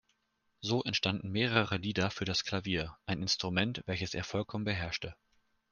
So entstanden mehrere Lieder für das Klavier, ein Instrument, welches er vollkommen beherrschte.